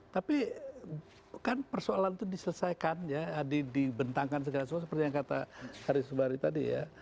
tapi kan persoalan itu diselesaikan ya dibentangkan segala sesuatu seperti yang kata haris subari tadi ya